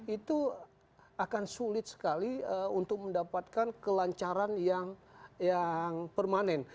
itu akan sulit sekali untuk mendapatkan kelancaran yang permanen